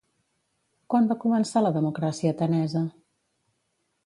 Quan va començar la democràcia atenesa?